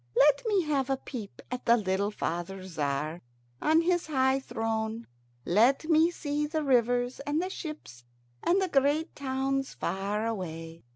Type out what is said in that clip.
Let me have a peep at the little father Tzar on his high throne. Let me see the rivers and the ships and the great towns far away."